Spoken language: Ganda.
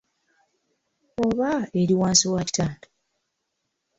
Oba eri wansi wa kitanda?